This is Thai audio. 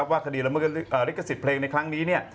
คดีละเมิดลิขสิทธิ์เพลงในครั้งนี้